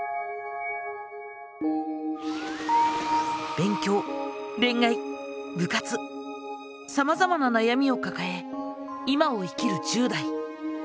勉強恋愛部活さまざまな悩みをかかえ今を生きる１０代。